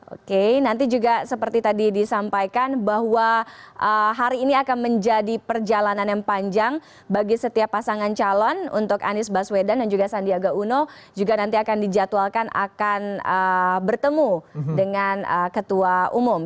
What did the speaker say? oke nanti juga seperti tadi disampaikan bahwa hari ini akan menjadi perjalanan yang panjang bagi setiap pasangan calon untuk anies baswedan dan juga sandiaga uno juga nanti akan dijadwalkan akan bertemu dengan ketua umum